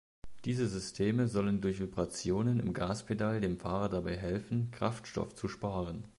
Diese Systeme sollen durch Vibrationen im Gaspedal dem Fahrer dabei helfen, Kraftstoff zu sparen.